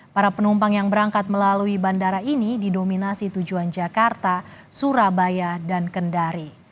para penumpang yang berangkat melalui bandara ini didominasi tujuan jakarta surabaya dan kendari